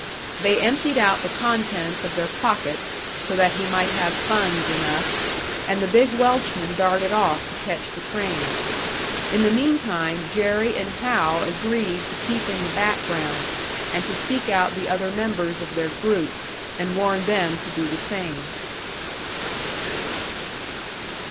They emptied out the contents of their pockets, so that he might have funds enough, and the big Welshman darted off to catch the train. In the meantime Jerry and Hal agreed to keep in the background, and to seek out the other members of their group and warn them to do the same.